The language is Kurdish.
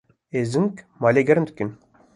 Êzing malê germ dikin.